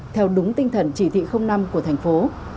theo đúng tinh thần chỉ thị năm của thành phố